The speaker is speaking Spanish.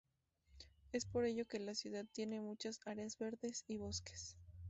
Es por ello que la ciudad tiene muchas áreas verdes y bosques.